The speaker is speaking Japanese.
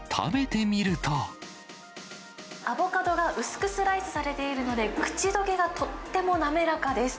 アボカドが薄くスライスされているので、口どけがとっても滑らかです。